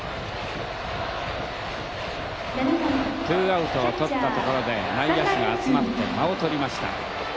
ツーアウトを取ったところで内野手が集まって間を取りました。